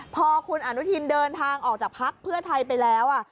พอคุณอนุทินเดินทางออกจากพักเพื่อไทยไปแล้ว